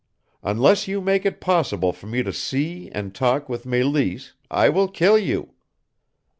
Unless you make it possible for me to see and talk with Meleese I will kill you.